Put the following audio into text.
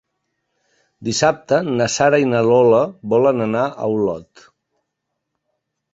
Dissabte na Sara i na Lola volen anar a Olot.